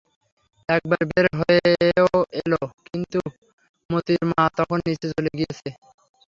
একবার বের হয়েও এল কিন্তু মোতির মা তখন নীচে চলে গিয়েছে।